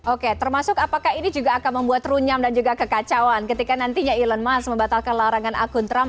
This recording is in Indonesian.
oke termasuk apakah ini juga akan membuat runyam dan juga kekacauan ketika nantinya elon musk membatalkan larangan akun trump